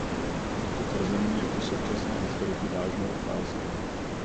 Toto tvrzení je pro současné historiky vážnou otázkou.